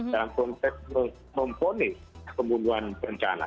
dalam konteks memponis pembunuhan berencana